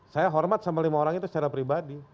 saya hormat sama lima orang itu secara pribadi